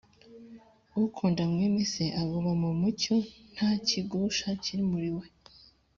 Ukunda mwene Se aguma mu mucyo, nta kigusha kiri muri we